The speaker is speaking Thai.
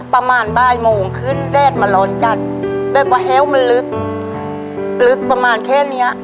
ประมาณบ่ายโมงขึ้นเรียนมาร้อนจันทร์ด้วยก็แฮลล์มันลึกลึกประมาณแค่เนี้ย